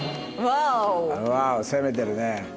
ワオ攻めてるね。